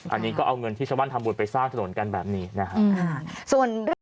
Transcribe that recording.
อันนี้ก็เอาเงินที่ชาวบ้านทำบุญไปสร้างถนนกันแบบนี้นะครับ